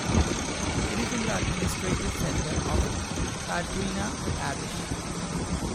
It is the administrative centre of Kadrina Parish.